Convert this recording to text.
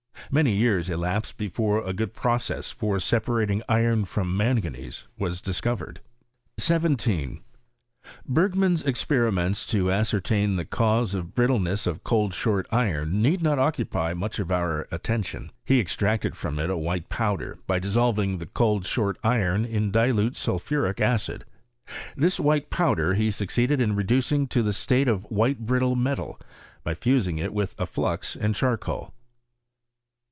Many years elapsed before a good process for separating iron from manganese was discovered. 17* Bergman's experiments to ascertain the cause of the brittleness of cold short iron need not occupy much of our attention. He extracted from it a white powder, by dissolving the cold short iron in dilute sulphuric acid. This white powder he succeeded in reducing to the state of a white brittle metal, by fusing it witK a flux and cheircoal.